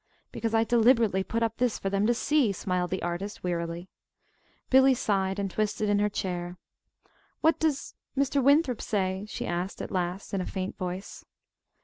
"Because I deliberately put up this for them to see," smiled the artist, wearily. Billy sighed, and twisted in her chair. "What does Mr. Winthrop say?" she asked at last, in a faint voice.